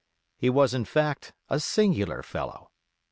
He was in fact a singular fellow.